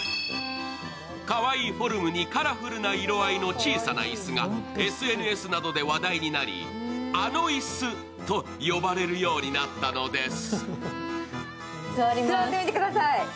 かわいいフォルムにカラフルな色合いの小さな椅子がＳＮＳなどで話題になり、あの椅子と呼ばれるようになったのです。